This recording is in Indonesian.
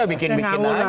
dia bikin bikin aja